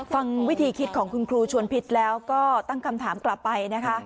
ฟังวิธีคิดของคุณครูชวนพิษแล้วก็ตั้งคำถามกลับไปนะคะ